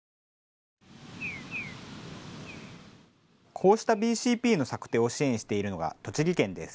こうしたＢＣＰの策定を支援しているのが栃木県です。